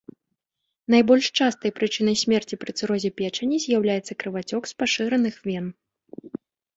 Найбольш частай прычынай смерці пры цырозе печані з'яўляецца крывацёк з пашыраных вен.